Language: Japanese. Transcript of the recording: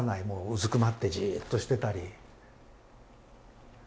うずくまってじっとしてたり。